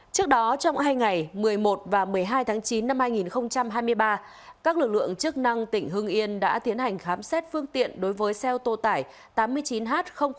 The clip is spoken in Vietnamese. trước đó trong hai ngày một mươi một và một mươi hai tháng chín năm hai nghìn hai mươi ba các lực lượng chức năng tỉnh hưng yên đã tiến hành khám xét phương tiện đối với xe ô tô tải tám mươi chín h ba trăm sáu mươi tám